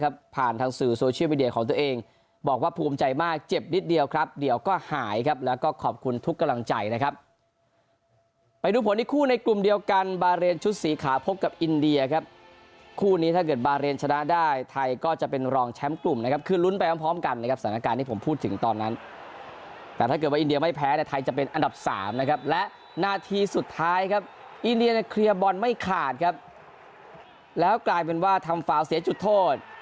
บาร์เรนชุดสีขาพพบกับอินเดียครับคู่นี้ถ้าเกิดบาร์เรนชนะได้ไทยก็จะเป็นรองแชมป์กลุ่มนะครับคือลุ้นไปพร้อมกันนะครับสถานการณ์ที่ผมพูดถึงตอนนั้นแต่ถ้าเกิดว่าอินเดียไม่แพ้ในไทยจะเป็นอันดับ๓นะครับและนาทีสุดท้ายครับอินเดียในเคลียร์บอลไม่ขาดครับแล้วกลายเป็นว่าทำฝาวเสียจุดโท